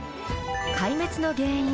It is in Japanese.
壊滅の原因